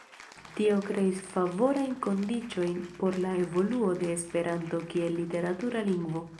Tio kreis favorajn kondiĉojn por la evoluo de Esperanto kiel literatura lingvo.